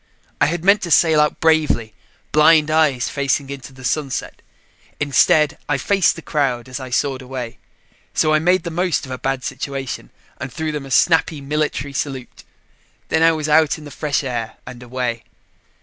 I had meant to sail out bravely, blind eyes facing into the sunset; instead, I faced the crowd as I soared away, so I made the most of a bad situation and threw them a snappy military salute. Then I was out in the fresh air and away.